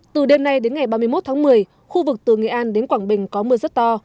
từ đêm nay đến ngày ba mươi một tháng một mươi khu vực từ nghệ an đến quảng bình có mưa rất to